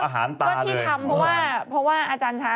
ก็ที่ทำเพราะว่า